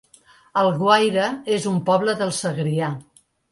Alguaire es un poble del Segrià